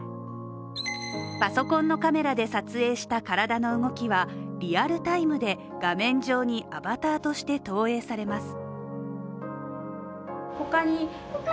パソコンのカメラで撮影した体の動きはリアルタイムで画面上にアバターとして投影されます。